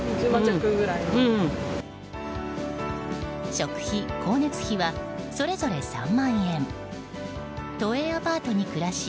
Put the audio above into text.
食費、光熱費はそれぞれ３万円都営アパートに暮らし